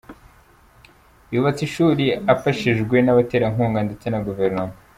Yubatse ishuri afashishwe n'abaterankunga ndetse na guverinoma.